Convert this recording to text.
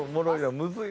むずいな。